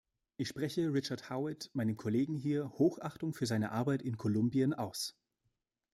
Ich spreche Richard Howitt, meinem Kollegen hier, Hochachtung für seine Arbeit in Kolumbien aus.